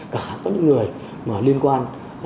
cả những người liên quan